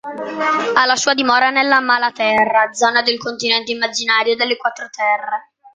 Ha la sua dimora nella Malaterra, zona del continente immaginario delle Quattro Terre.